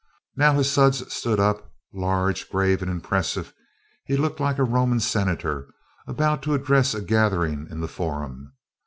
Now, as Sudds stood up, large, grave and impressive, he looked like a Roman Senator about to address a gathering in the Forum.